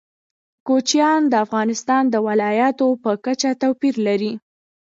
کوچیان د افغانستان د ولایاتو په کچه توپیر لري.